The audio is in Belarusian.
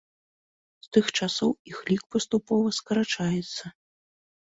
З тых часоў іх лік паступова скарачаецца.